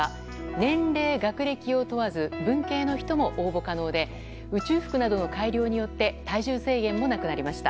年齢、学歴を問わず文系の人も応募可能で宇宙服などの改良によって体重制限もなくなりました。